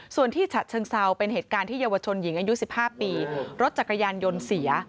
ส่วนที่ฉะเชิงเซาเป็นเหตุการณ์ที่เยาวชนหญิงอายุ๑๕ปีรถจักรยานยนต์เสีย